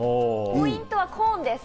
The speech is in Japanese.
ポイントはコーンです。